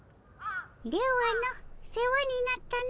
ではの世話になったの。